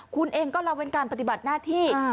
คุณเองก็ละเว้นการปฏิบัติหน้าที่